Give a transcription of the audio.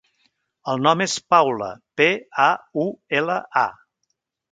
El nom és Paula: pe, a, u, ela, a.